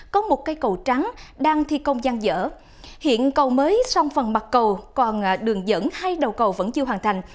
có một cây cầu trắng đang thi công gian dở hiện cầu mới song phần mặt cầu còn đường dẫn hay đầu cầu vẫn chưa hoàn thành